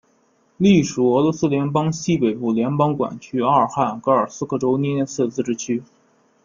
隶属俄罗斯联邦西北部联邦管区阿尔汉格尔斯克州涅涅茨自治区。